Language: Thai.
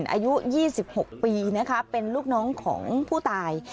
อายุ๒๖ปีนะคะเป็นลูกน้องของผู้ตาย